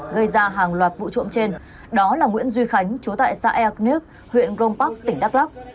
gây ra hàng loạt vụ trộm trên đó là nguyễn duy khánh chú tại xã eak niếc huyện grom park tỉnh đắk lắk